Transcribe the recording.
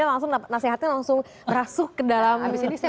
ini langsung nasihatnya langsung rasuk ke dalam pikiran saya